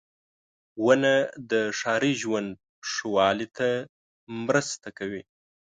• ونه د ښاري ژوند ښه والي ته مرسته کوي.